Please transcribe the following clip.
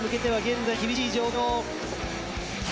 現在厳しい状況。